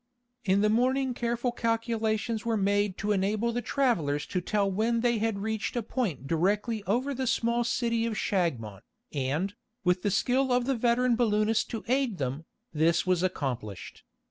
In the morning careful calculations were made to enable the travelers to tell when they had reached a point directly over the small city of Shagmon, and, with the skill of the veteran balloonist to aid them, this was accomplished.